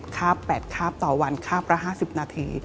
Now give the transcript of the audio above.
คาบ๘คาบต่อวันคาบละ๕๐นาที